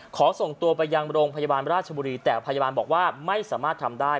ขอส่งตัวไปยังโรงพยาบาลราชบุรีแต่พยาบาลบอกว่าไม่สามารถทำได้